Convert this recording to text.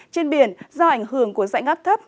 trên biển do ảnh hưởng của dãy ngắp thấp